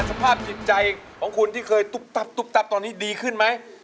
สภาพจิตใจของคุณที่เคยตุ๊บตับตุ๊บตับตอนนี้ดีขึ้นไหม